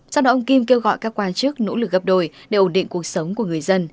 sau đó ông kim kêu gọi các quan chức nỗ lực gấp đổi để ổn định cuộc sống của người dân